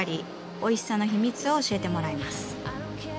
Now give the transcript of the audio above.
おいしさの秘密を教えてもらいます。